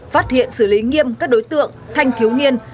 phát hiện xử lý nghiêm các đối tượng thanh thiếu niên